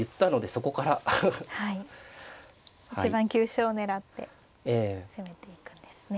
一番急所を狙って攻めていくんですね。